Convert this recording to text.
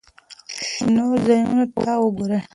شنو ځایونو ته وګورئ.